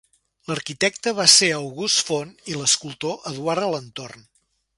L'arquitecte va ser August Font i l'escultor Eduard Alentorn.